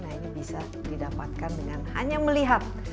nah ini bisa didapatkan dengan hanya melihat